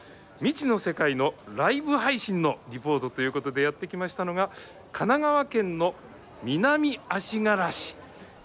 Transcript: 未知の世界のライブ配信のリポートということでやって来ましたのが、神奈川県の南足柄市。